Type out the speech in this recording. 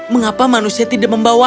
mengapa manusia tidak membawaku